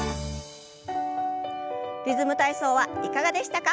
「リズム体操」はいかがでしたか？